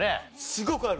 すごくある！